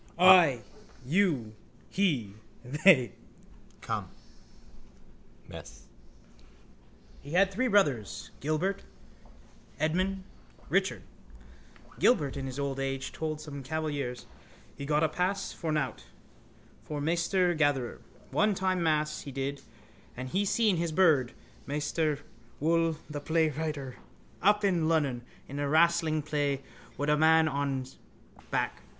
I you he they. Come, mess. STEPHEN: He had three brothers, Gilbert, Edmund, Richard. Gilbert in his old age told some cavaliers he got a pass for nowt from Maister Gatherer one time mass he did and he seen his brud Maister Wull the playwriter up in Lunnon in a wrastling play wud a man on's back.